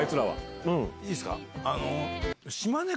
いいですか？